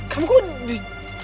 kamu kok di